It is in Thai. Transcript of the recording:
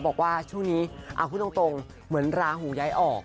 บอกว่าช่วงนี้พูดตรงเหมือนราหูย้ายออก